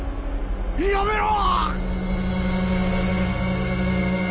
やめろ！